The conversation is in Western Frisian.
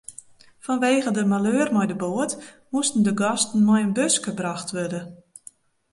Fanwegen de maleur mei de boat moasten de gasten mei in buske brocht wurde.